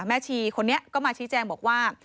ชีคนนี้ก็มาชี้แจงบอกว่า